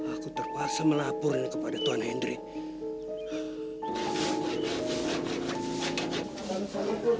aku terpaksa melapori kepada tuhan hendrik